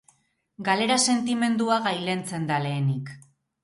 Galera sentimendua gailentzen da lehenik.